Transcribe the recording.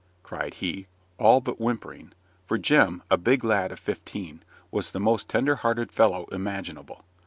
cried he, all but whimpering; for Jem, a big lad of fifteen, was the most tender hearted fellow imaginable.